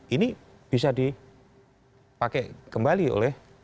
ini bisa dipakai kembali oleh